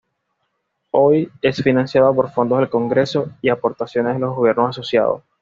Hoy, es financiado por fondos del congreso y aportaciones de los gobiernos asociados.